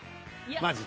マジで。